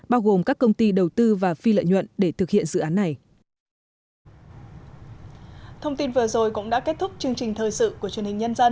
bao gồm các công ty đầu tư và phi lợi nhuận để thực hiện dự án này